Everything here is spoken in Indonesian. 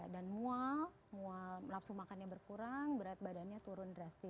dan mual mual langsung makannya berkurang berat badannya turun